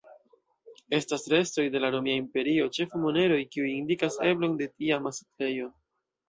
Estas restoj de la Romia Imperio, ĉefe moneroj, kiuj indikas eblon de tiama setlejo.